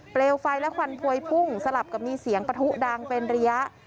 เปลวไฟและควันพวยพุ่งสลับกับมีเสียงปะทุดังเป็นระยะ